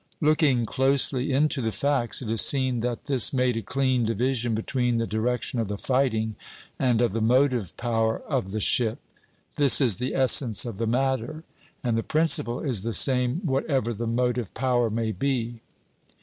Looking closely into the facts, it is seen that this made a clean division between the direction of the fighting and of the motive power of the ship. This is the essence of the matter; and the principle is the same whatever the motive power may be.